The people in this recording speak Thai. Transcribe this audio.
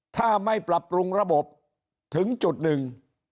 ถ้าไม่ปรับปรุงระบบถึงจุดหนึ่ง